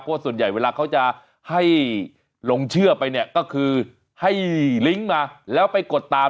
เพราะส่วนใหญ่เวลาเขาจะให้ลงเชื่อไปเนี่ยก็คือให้ลิงก์มาแล้วไปกดตาม